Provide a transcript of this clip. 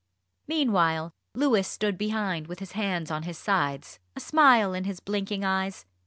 Meanwhile, Louis stood behind, with his hands on his sides, a smile in his blinking eyes.